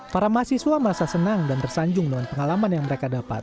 para mahasiswa merasa senang dan tersanjung dengan pengalaman yang mereka dapat